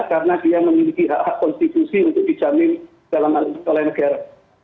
karena dia memiliki hak hak konstitusi untuk dijamin dalam alam sekolah negara